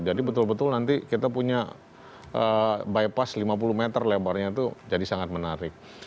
jadi betul betul nanti kita punya bypass lima puluh meter lebarnya tuh jadi sangat menarik